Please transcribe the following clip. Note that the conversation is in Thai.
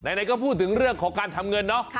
ไหนก็พูดถึงเรื่องของการทำเงินเนาะ